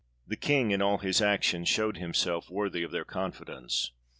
The King, in all his actions, showed him self worthy of their confidence.